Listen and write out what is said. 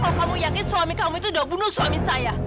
kalau kamu yakin suami kamu itu sudah bunuh suami saya